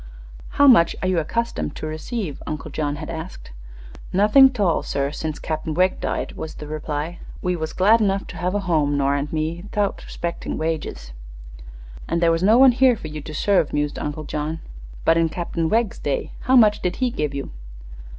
"How much are you accustomed to receive?" Uncle John had asked. "Nothing 'tall, sir, since Cap'n Wegg died," was the reply. "We was glad enough to have a home, Nora an' me, 'thout 'spectin' wages." "And there was no one here for you to serve," mused Uncle John. "But in Captain Wegg's day, how much did he give you?"